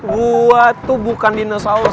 gue tuh bukan dinosaurus